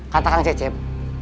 kata kang cecep